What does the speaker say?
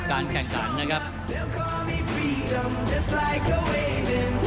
ท่านแรกครับจันทรุ่ม